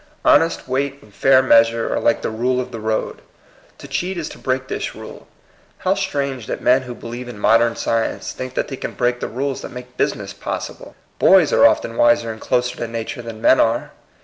Honest weight and fair measure are like "the rule of the road." To cheat is to break this rule. How strange that men who believe in modem science think that they can break the rules that make business possible ! Boys are often wiser and closer to na ture than men are.